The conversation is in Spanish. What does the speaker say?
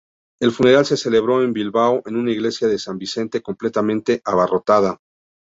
El funeral se celebró en Bilbao en una iglesia de San Vicente completamente abarrotada.